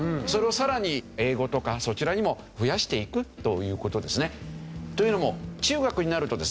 それをさらに英語とかそちらにも増やしていくという事ですね。